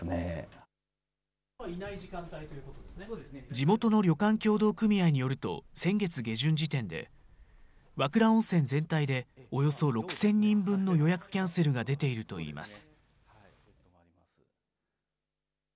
地元の旅館協同組合によると先月下旬時点で、和倉温泉全体でおよそ６０００人分の予約キャンセルが出ているといいます。